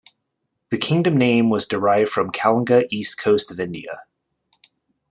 The kingdom name was derived from Kalinga east coast of India.